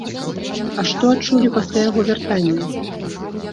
А што адчулі пасля яго вяртання?